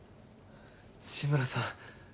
紫村さん。